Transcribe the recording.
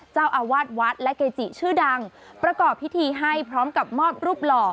เจ้าอาวาสวัดและเกจิชื่อดังประกอบพิธีให้พร้อมกับมอบรูปหล่อ